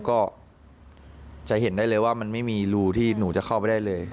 ก็จะเห็นได้เลยว่ามันไม่มีรูที่หนูจะเข้าไปได้เลย